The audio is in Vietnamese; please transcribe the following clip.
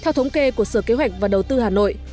theo thống kê của sở kế hoạch và đầu tư hà nội